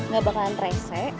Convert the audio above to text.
gak bakalan rese